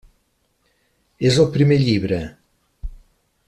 És el primer llibre.